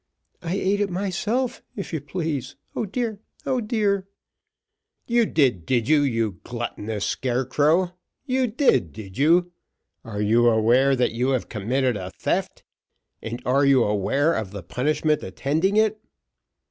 "I ate it myself if you please O dear O dear!" "You did, did you you gluttonous scarecrow you did, did you? Are you aware that you have committed a theft and are you aware of the punishment attending it?"